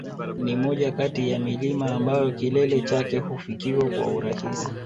Ni moja kati ya milima ambayo kilele chake hufikiwa kwa urahisi